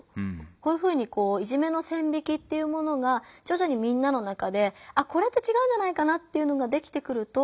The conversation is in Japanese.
こういうふうにいじめの線引きっていうものがじょじょにみんなの中でこれって違うんじゃないかなっていうのができてくると。